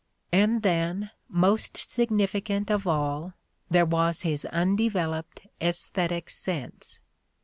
And then, most significant of all, there was his un developed aesthetic sense.